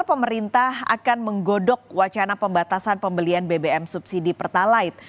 pemerintah akan menggodok wacana pembatasan pembelian bbm subsidi pertalite